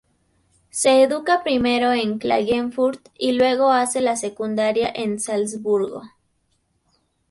Se educa primero en Klagenfurt y luego hace la secundaria en Salzburgo.